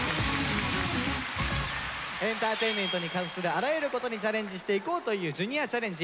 エンターテインメントに関するあらゆることにチャレンジしていこうという「ジュニアチャレンジ」。